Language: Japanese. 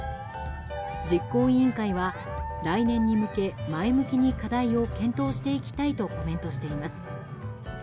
実行委員会は来年に向け前向きに課題を検討していきたいとコメントしています。